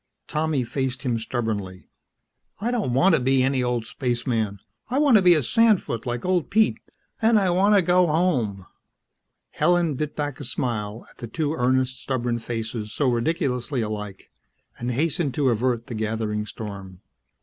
Tommy faced him stubbornly. "I don't want to be any old spaceman. I want to be a sandfoot like old Pete. And I want to go home." Helen bit back a smile at the two earnest, stubborn faces so ridiculously alike, and hastened to avert the gathering storm.